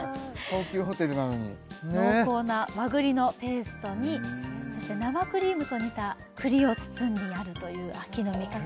東急ホテルなのに濃厚な和栗のペーストにそして生クリームと煮た栗を包んであるという秋の味覚